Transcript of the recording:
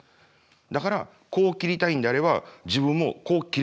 だからこう切りたいんであれば自分もこう切れてるかどうか。